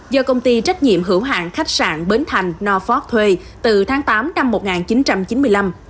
do công ty trách nhiệm hữu hàng khách sạn bến thành north fork thuê từ tháng tám năm một nghìn chín trăm chín mươi năm